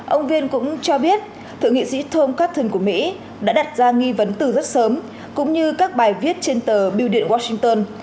ông viên cũng cho biết thượng nghị sĩ tom cotton của mỹ đã đặt ra nghi vấn từ rất sớm cũng như các bài viết trên tờ billion washington